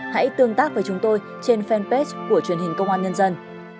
hãy tương tác với chúng tôi trên fanpage của truyền hình công an nhân dân